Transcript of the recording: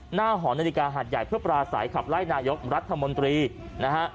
หอนาฬิกาหัดใหญ่เพื่อปราศัยขับไล่นายกรัฐมนตรีนะฮะ